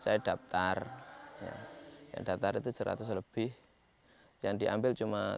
saya daftar ya daftar itu seratus lebih yang diambil cuma tiga puluh